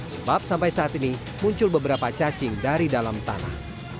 sebab sampai saat ini muncul beberapa cacing dari dalam tanah